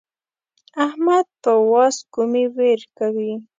احمد په واز کومې وير کوي.